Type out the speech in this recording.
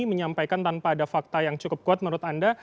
menyampaikan tanpa ada fakta yang cukup kuat menurut anda